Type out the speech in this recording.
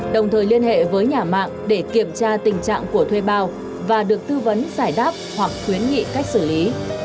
đồng thời liên hệ với nhà mạng để kiểm tra tình trạng của thuê bao và được tư vấn giải đáp hoặc khuyến nghị cách xử lý